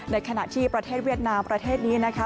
ในขณะที่ประเทศเวียดนามประเทศนี้นะคะ